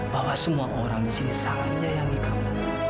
bahwa semua orang di sini salah menyayangi kamu